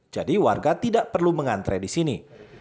jadi warga tidak perlu mengantre disini